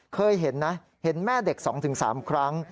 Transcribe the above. เคยเห็นนะเห็นแม่เด็ก๒๓ครั้ง